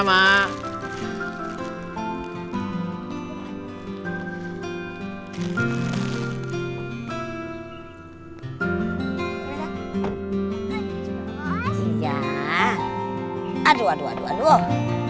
nah aduh aduh aduh aduh